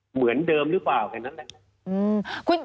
เหมือนเดิมหรือเปล่าแค่นั้นแหละ